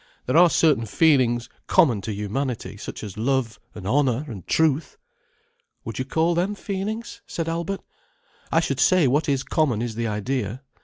"There are certain feelings common to humanity, such as love, and honour, and truth." "Would you call them feelings?" said Albert. "I should say what is common is the idea.